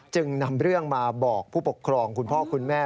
จึงนำเรื่องมาบอกผู้ปกครองคุณพ่อคุณแม่